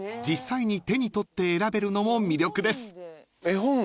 ［実際に手に取って選べるのも魅力です］